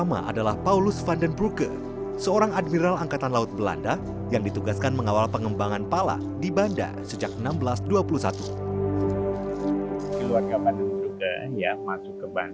pala yang diperebutkan penjajah